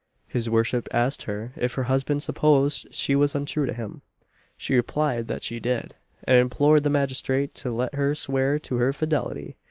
His worship asked her if her husband supposed she was untrue to him. She replied that he did, and implored the magistrate to let her swear to her fidelity!